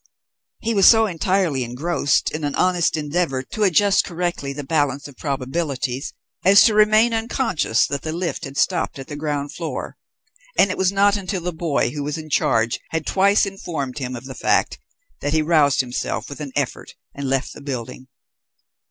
He was so entirely engrossed in an honest endeavour to adjust correctly the balance of probabilities, as to remain unconscious that the lift had stopped at the ground floor, and it was not until the boy who was in charge had twice informed him of the fact, that he roused himself with an effort and left the building.